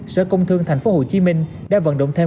sở công thương tp hcm đã vận động thêm